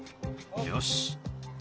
よし。